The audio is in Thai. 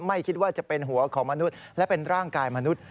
ไม่คิดว่าจะเป็นหัวของมนุษย์และเป็นร่างกายมนุษย